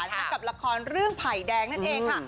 กับละครเรื่องไผ่แดงนั่นเองค่ะ